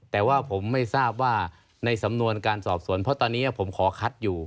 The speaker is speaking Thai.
แต่ว่าผมไม่ทราบว่าในสำนวนการสอบสวนเพราะตอนนี้ผมขอคัดอยู่